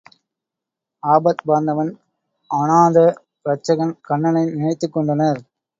ஆபத்பாந்தவன் அனாத– ரட்சகன் கண்ணனை நினைத்துக் கொண்டனர்.